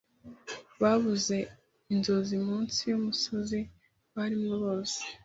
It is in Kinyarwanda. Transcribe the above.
Babuze Inzozi munsi yumusozi barimo bose